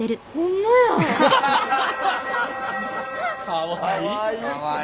かわいい。